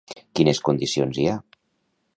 Quines condicions hi ha?